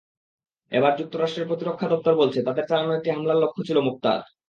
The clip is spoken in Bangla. এবার যুক্তরাষ্ট্রের প্রতিরক্ষা দপ্তর বলছে, তাদের চালানো একটি হামলার লক্ষ্য ছিল মোক্তার।